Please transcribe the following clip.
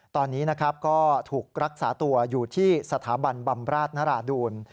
ตอนนี้นะครับก็ถูกรักษาตัวอยู่ที่สถาบันบำราชนราดูล